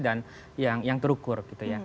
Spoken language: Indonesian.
dan yang terukur